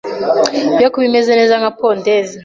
yo kuba imeze neza nka pondeze